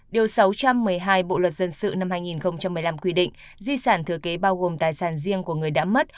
điều sáu trăm một mươi hai bộ luật dân sự năm hai nghìn một mươi năm quy định di sản thừa kế bao gồm tài sản riêng của người đã mất